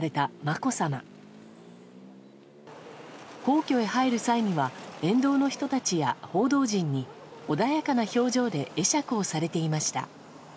皇居へ入る際には沿道の人たちや報道陣に穏やかな表情で会釈をされていました。